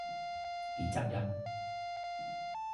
ผีจับยัด